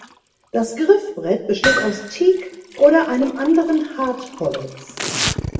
Das Griffbrett besteht aus Teak- oder einem anderen Hartholz.